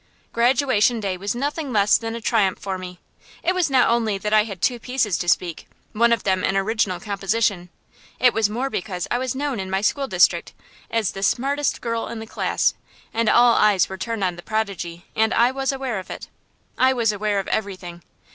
Graduation Day was nothing less than a triumph for me. It was not only that I had two pieces to speak, one of them an original composition; it was more because I was known in my school district as the "smartest" girl in the class, and all eyes were turned on the prodigy, and I was aware of it. I was aware of everything.